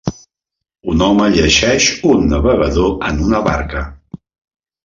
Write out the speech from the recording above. un home llegeix un navegador en una barca.